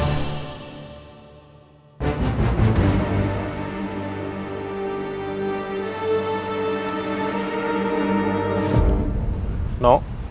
nah angkat coba